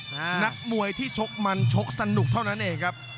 นักมวยที่ชกมันชกสนุกเท่านั้นเองครับ